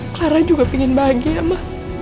clara juga pengen bahagia ma